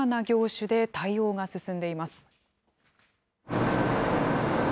さまざまな業種で対応が進んでいます。